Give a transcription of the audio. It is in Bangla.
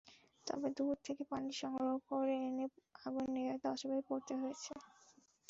তবে দূর থেকে পানি সংগ্রহ করে এনে আগুন নেভাতে অসুবিধায় পড়তে হয়েছে।